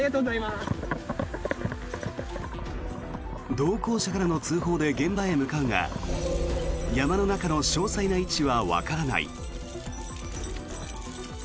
同行者からの通報で現場へ向かうが山の中の詳細な位置はわからない。